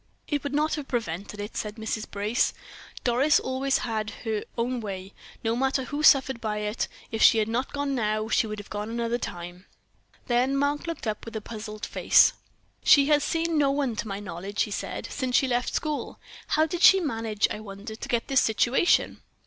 "It would not have prevented it," said Mrs. Brace. "Doris has always had her own way, no matter who suffered by it; if she had not gone now, she would have gone another time." Then Mark looked up with a puzzled face. "She has seen no one, to my knowledge," he said, "since she left school. How did she manage, I wonder, to get this situation?"